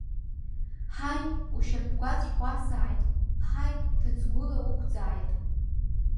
Ҳаи ушьапгәацә уасааит, ҳаи ҭаӡгәыла уқәӡааит!